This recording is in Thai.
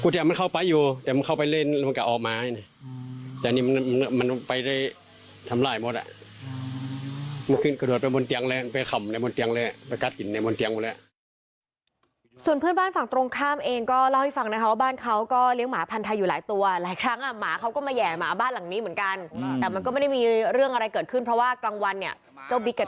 ตอน๖โมงประมาณ๖โมง๑๕นี่ครับ